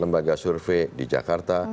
lembaga survei di jakarta